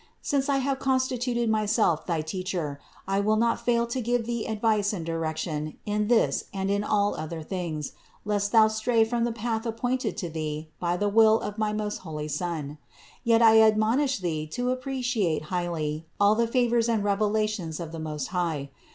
Since I have constituted myself thy Teacher, I will not fail to give thee advice and direction in this and in all other things, lest thou stray from the path appointed to thee by the will of my most holy Son. Yet I admonish thee to appreciate highly all the favors and revelations of the Most High.